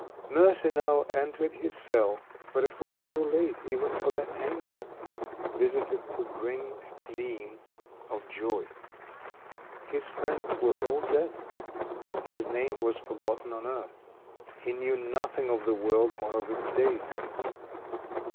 Mercy now entered his cell, but it was too late even for that angel visitant to bring a gleam of joy. His friends were all dead. His name was forgotten on earth. He knew nothing of the world or of its ways.